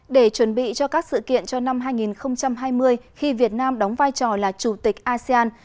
để chuẩn bị cho các sự kiện cho năm hai nghìn hai mươi khi việt nam đóng vai trò là chủ tịch asean